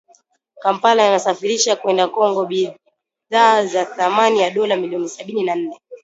Kampala inasafirisha kwenda Congo bidhaa za thamani ya dola milioni sabini na nne